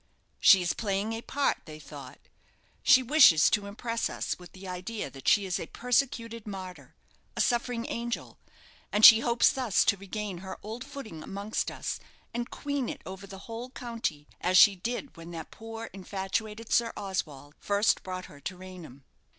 She is playing a part, they thought; she wishes to impress us with the idea that she is a persecuted martyr a suffering angel; and she hopes thus to regain her old footing amongst us, and queen it over the whole county, as she did when that poor infatuated Sir Oswald first brought her to Raynham.